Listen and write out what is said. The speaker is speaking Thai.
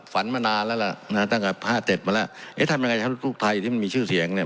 มานานแล้วล่ะนะฮะตั้งแต่ห้าเจ็ดมาแล้วเอ๊ะทำยังไงให้ลูกไทยที่มันมีชื่อเสียงเนี่ย